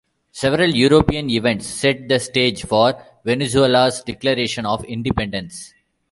Several European events set the stage for Venezuela's declaration of independence.